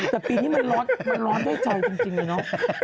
แต่ปีนี้มันร้อนให้เจ้าจริงเลยเนอะ